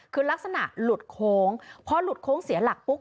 คือลักษณะหลุดโค้งพอหลุดโค้งเสียหลักปุ๊บ